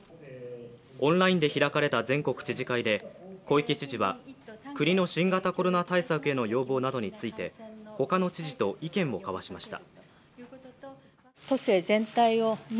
オンラインで開かれた全国知事会で小池知事は国の新型コロナ対策への要望などについて、他の知事と意見を交わしました。